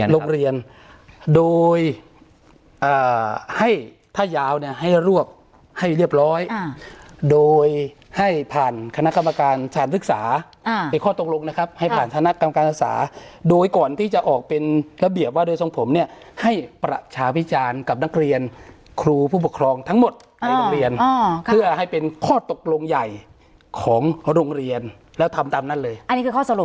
โรงเรียนโดยให้ถ้ายาวเนี่ยให้รวบให้เรียบร้อยโดยให้ผ่านคณะกรรมการสถานศึกษาในข้อตกลงนะครับให้ผ่านคณะกรรมการศึกษาโดยก่อนที่จะออกเป็นระเบียบว่าโดยทรงผมเนี่ยให้ประชาพิจารณ์กับนักเรียนครูผู้ปกครองทั้งหมดในโรงเรียนเพื่อให้เป็นข้อตกลงใหญ่ของโรงเรียนแล้วทำตามนั้นเลยอันนี้คือข้อสรุป